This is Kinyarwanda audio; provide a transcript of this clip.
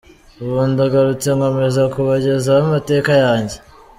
Ubu ndagarutse nkomeza kubagezaho amateka yanjye.